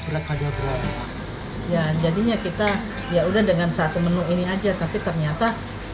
ya jadinya kita yaudah dengan satu menu ini aja tapi ternyata